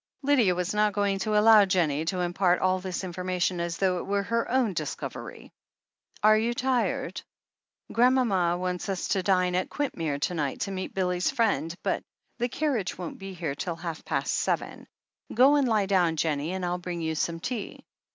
Lydia was not going to allow Jennie to impart all this information as though it were her own discovery. "Are you tired? Grandmama wants us to dine at Quintmere to night, to meet Billy's friend, but the carriage won't be here till half past seven. Go and lie down, Jennie, and I'll bring you some tea."